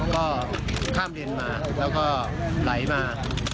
ก็ข้ามเลนมาแล้วก็ไหลมา